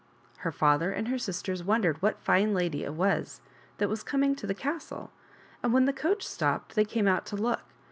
Her father and her sisters wondered what fine lady it was that wa5 coming to the castle, and when the coach stopped they came out to look.